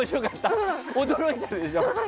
驚いたでしょ！